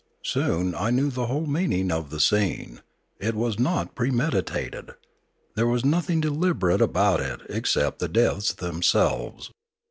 Soon I knew the whole meaning of the scene. It was not premeditated. There was nothing 382 Limanora deliberate about it except the deaths themselves.